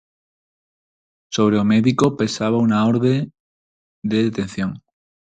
Sobre o médico pesaba unha orde de detención.